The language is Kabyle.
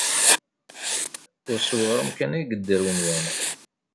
Ur s weɣrum kan ay yedder wemdan.